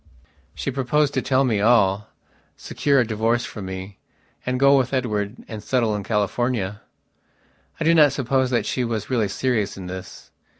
She proposed to tell me all, secure a divorce from me, and go with Edward and settle in California.... I do not suppose that she was really serious in this.